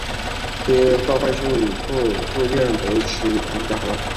街道办事处驻岳阳楼区王家河。